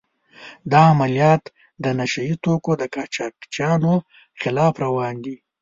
دا عملیات د نشه يي توکو د قاچاقچیانو خلاف روان دي.